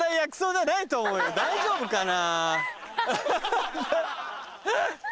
大丈夫かな？